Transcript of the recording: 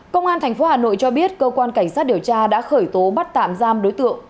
công an tp hà nội cho biết cơ quan cảnh sát điều tra đã khởi tố bắt tạm giam đối tượng